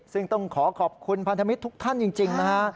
ซึ่งต้องขอขอบคุณพันธมิตรทุกท่านจริงนะฮะ